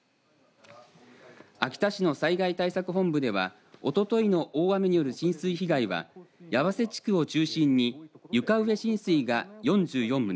秋田市の災害対策本部ではおとといの大雨による浸水被害は八橋地区を中心に床上浸水が４４棟